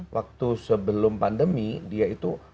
waktu sebelum pandemi dia itu